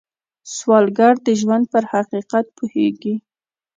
سوالګر د ژوند پر حقیقت پوهېږي